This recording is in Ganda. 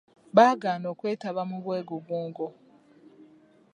Baagana okwetaba mu bwegugungo.